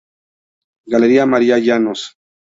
Galería María Llanos.